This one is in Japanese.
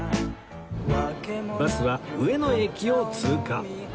バスは上野駅を通過